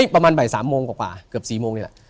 ประมาณบ่าย๓โมงกว่าเกือบ๔โมงนี่แหละ